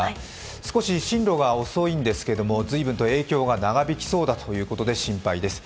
少し進度が遅いんですけれども、随分と影響が長引きそうだということで心配です。